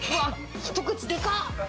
一口でかっ！